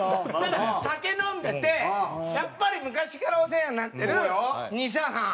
ただ酒飲んでてやっぱり昔からお世話になってるにっしゃんさん。